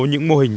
những mô hình